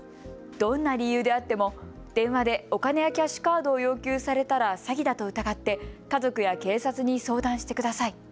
どんな理由であっても電話でお金やキャッシュカードを要求されたら詐欺だと疑って家族や警察に相談してください。